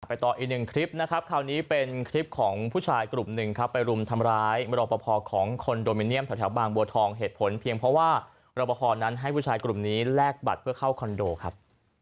ต่ออีกหนึ่งคลิปนะครับคราวนี้เป็นคลิปของผู้ชายกลุ่มหนึ่งครับไปรุมทำร้ายรอปภของคอนโดมิเนียมแถวบางบัวทองเหตุผลเพียงเพราะว่ารอปภนั้นให้ผู้ชายกลุ่มนี้แลกบัตรเพื่อเข้าคอนโดครับ